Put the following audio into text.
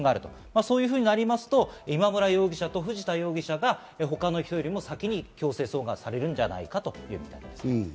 そうなりますと、今村容疑者と藤田容疑者が他の人よりも先に強制送還されるんじゃないかということです。